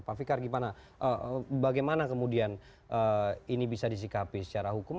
pak fikar bagaimana kemudian ini bisa disikapi secara hukum